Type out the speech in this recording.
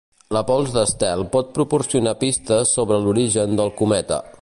La pols d'estel pot proporcionar pistes sobre l'origen del cometa.